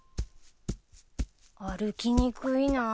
歩きにくいな。